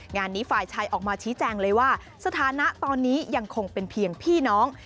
งานนี้ฝ่ายชายออกมาชี้แจงเลยว่าสถานะตอนนี้ยังคงเป็นเพียงพี่น้อง